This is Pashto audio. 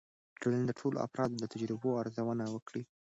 د ټولنې د ټولو افرادو د تجربو ارزونه وکړئ.